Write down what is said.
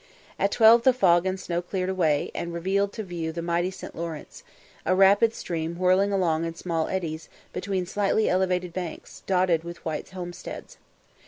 At twelve the fog and snow cleared away, and revealed to view the mighty St. Lawrence a rapid stream whirling along in small eddies between slightly elevated banks dotted with white homesteads.